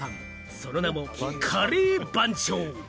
その名もカレー番長。